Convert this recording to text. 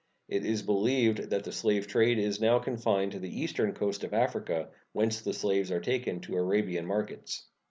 It is believed that the slave trade is now confined to the eastern coast of Africa, whence the slaves are taken to Arabian markets.